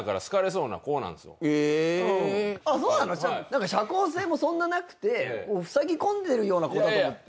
何か社交性もそんななくてふさぎ込んでるような子だと思って。